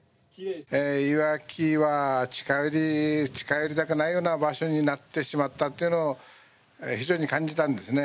いわきは、近寄りたくないような場所になってしまったというのを非常に感じたんですね。